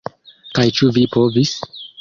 Kaj ĉu vi povis?